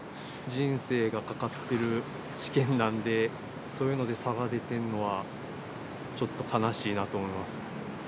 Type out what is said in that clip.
人生が懸かっている試験なんで、そういうので差が出てるのは、ちょっと悲しいなと思います。